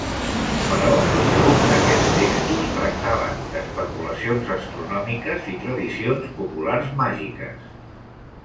Però el volum d'aquests textos tractaven d'especulacions astronòmiques i tradicions populars màgiques.